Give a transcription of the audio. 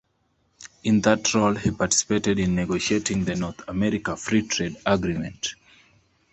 In that role, he participated in negotiating the North American Free Trade Agreement.